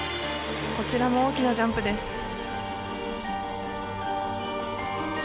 こちらも大きなジャンプです。